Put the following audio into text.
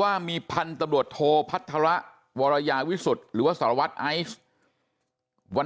ว่ามีพันธุ์ตำรวจโทพัฒระวรยาวิสุทธิ์หรือว่าสารวัตรไอซ์วัน